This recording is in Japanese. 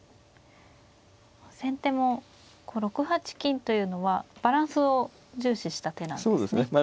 先手も６八金というのはバランスを重視した手なんですね。